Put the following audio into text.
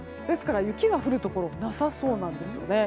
ですから、雪が降るところなさそうなんです。